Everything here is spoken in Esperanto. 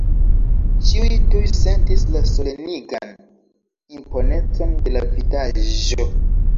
Ĉiuj tuj sentis la solenigan imponecon de la vidaĵo.